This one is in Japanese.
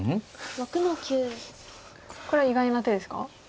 これは意外な手ですか？